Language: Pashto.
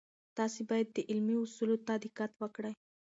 تاسې باید د علمي اصولو ته دقت وکړئ.